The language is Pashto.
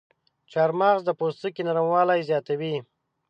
چارمغز د پوستکي نرموالی زیاتوي.